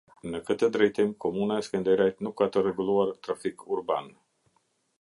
Në këtë drejtim komuna e Skenderajt nuk ka të rregulluar trafik urban.